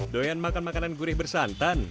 doyan makan makanan gurih bersantan